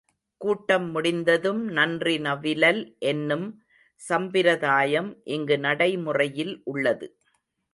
கூட்டம் முடிந்ததும் நன்றி நவிலல் என்னும் சம்பிரதாயம் இங்கு நடைமுறையில் உள்ளது.